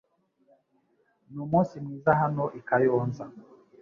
Numunsi mwiza hano i Kayonza .